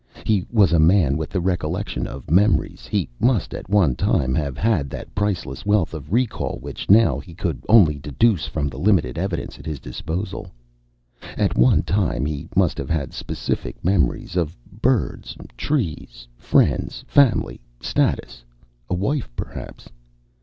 He was a man with the recollection of memories. He must at one time have had that priceless wealth of recall which now he could only deduce from the limited evidence at his disposal. At one time he must have had specific memories of birds, trees, friends, family, status, a wife perhaps.